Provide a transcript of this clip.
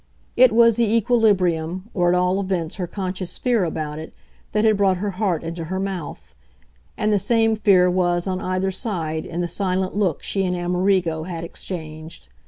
It was the equilibrium, or at all events her conscious fear about it, that had brought her heart into her mouth; and the same fear was, on either side, in the silent look she and Amerigo had exchanged.